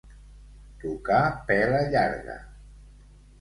Tocar pela llarga.